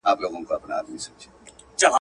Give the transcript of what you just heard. موږ بايد د مطالعې لپاره نوې لاري ولټوو.